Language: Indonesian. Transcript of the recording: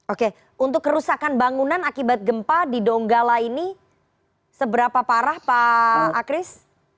oke untuk kerusakan bangunan akibat gempa di donggala ini seberapa parah pak akris